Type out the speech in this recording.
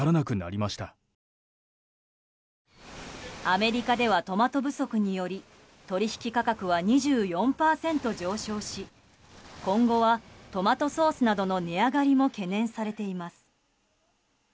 アメリカではトマト不足により取引価格は２４％上昇し、今後はトマトソースなどの値上がりも懸念されています。